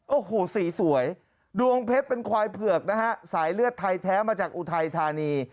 โอ้โหสีสวยดวงเพชรเป็นควายเผือกนะฮะสายเลือดไทยแท้มาจากอุทัยธานี